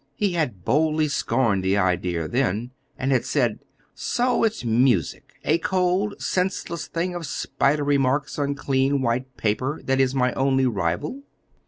He had boldly scorned the idea then, and had said: "So it's music a cold, senseless thing of spidery marks on clean white paper that is my only rival!"